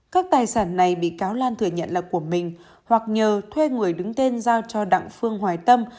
các tài sản này bị cáo lan thừa nhận là của mình hoặc nhờ thuê người đứng tên giao cho đặng phương hoài tâm